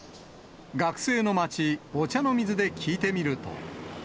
学生の街、御茶ノ水で聞いてみると。